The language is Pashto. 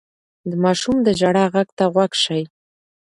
د ماشوم د ژړا غږ ته غوږ شئ.